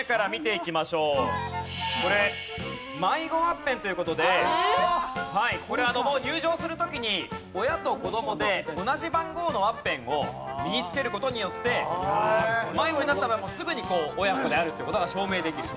これ迷子ワッペンという事でこれもう入場する時に親と子どもで同じ番号のワッペンを身につける事によって迷子になった場合もすぐに親子であるという事が証明できる。